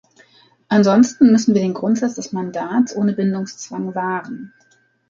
Ansonsten müssen wir den Grundsatz des Mandats ohne Bindungszwang wahren.